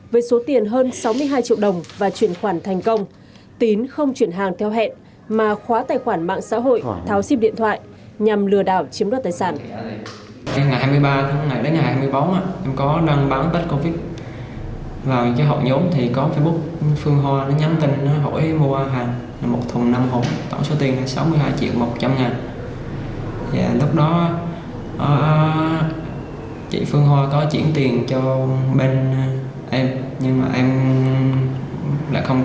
với số tiền hơn sáu mươi hai triệu đồng và chuyển khoản thành công tín không chuyển hàng theo hẹn mà khóa tài khoản mạng xã hội tháo xip điện thoại nhằm lừa đảo chiếm đoạt tài sản